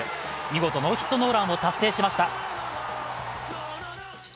見事ノーヒットノーランを達成しました。